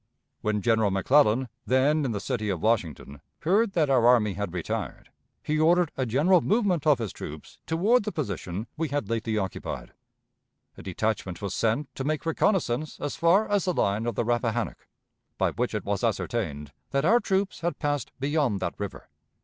When General McClellan, then in the city of Washington, heard that our army had retired, he ordered a general movement of his troops toward the position we had lately occupied. A detachment was sent to make reconnaissance as far as the line of the Rappahannock, by which it was ascertained that our troops had passed beyond that river.